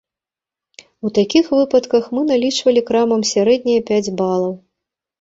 У такіх выпадках мы налічвалі крамам сярэднія пяць балаў.